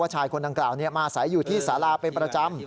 ว่าชายคนนั้นกล่าวนี่มาสายอยู่ที่สาระเป็นประจำ